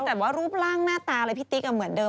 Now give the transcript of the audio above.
แต่ว่ารูปร่างหน้าตาอะไรพี่ติ๊กเหมือนเดิม